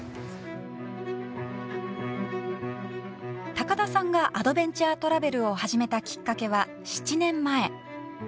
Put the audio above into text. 高田さんがアドベンチャートラベルを始めたきっかけは７年前。